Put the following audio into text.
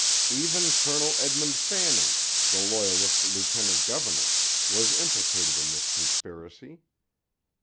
Even Colonel Edmund Fanning, the Loyalist lieutenant governor, was implicated in this conspiracy.